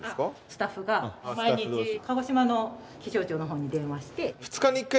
スタッフが毎日鹿児島の気象庁の方に電話して。